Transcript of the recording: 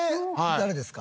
誰ですか？